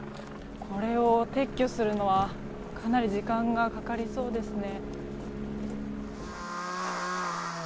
これを撤去するのはかなり時間がかかりそうですね。